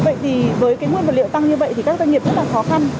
vậy thì với cái nguyên vật liệu tăng như vậy thì các doanh nghiệp rất là khó khăn